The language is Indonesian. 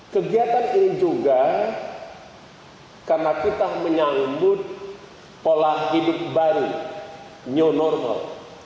kegiatan ini juga karena kita menyambut pola hidup baru new normal